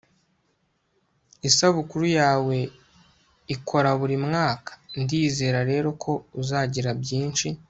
isabukuru yawe ikora buri mwaka, ndizera rero ko uzagira byinshi